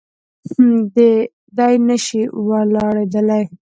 دی نه شي ولاړېدای.